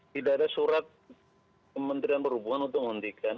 tidak ada surat kementerian perhubungan untuk menghentikan